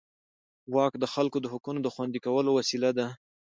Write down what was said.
واک د خلکو د حقونو د خوندي کولو وسیله ده.